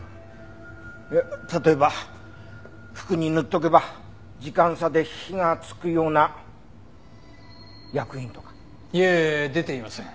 例えば服に塗っとけば時間差で火がつくような薬品とか。いえ出ていません。